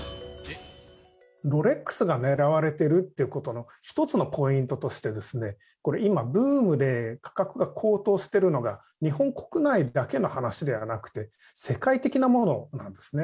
ロレックスが狙われてるってことの一つのポイントとしてですね、これ、今、ブームで、価格が高騰しているのが、日本国内だけの話ではなくて、世界的なものなんですね。